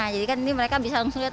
jadi kan ini mereka bisa langsung lihat